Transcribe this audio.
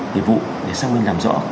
để vụ để xác minh làm rõ